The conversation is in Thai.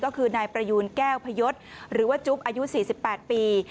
ก็คือนายประยูนแก้วพยศหรือว่าจุ๊บอายุ๔๘ปี